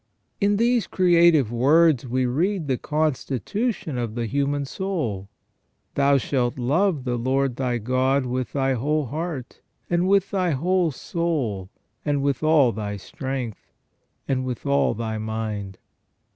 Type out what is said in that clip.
In these creative words we read the constitution of the human soul :" Thou shalt love the Lord thy God with thy whole heart, and with thy whole soul, and with all thy strength, and with all thy mind